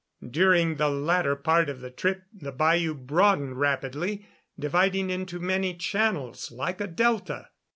During the latter part of the trip the bayou broadened rapidly, dividing into many channels like a delta.